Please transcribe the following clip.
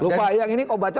lupa yang ini obatnya